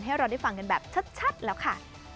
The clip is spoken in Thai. ให้เราได้ฟังกันแบบชัดแล้วค่ะ